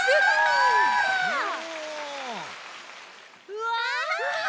うわ！